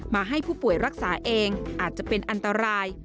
ให้ผู้ป่วยรักษาเองอาจจะเป็นอันตราย